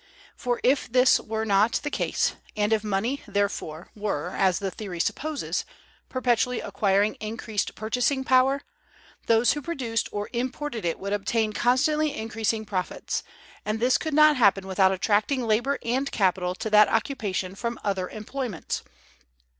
For, if this were not the case, and if money, therefore, were, as the theory supposes, perpetually acquiring increased purchasing power, those who produced or imported it would obtain constantly increasing profits; and this could not happen without attracting labor and capital to that occupation from other employments.